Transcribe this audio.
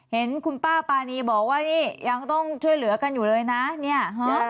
เห็นคุณป้าปานีบอกว่านี่ยังต้องช่วยเหลือกันอยู่เลยนะเนี่ยฮะ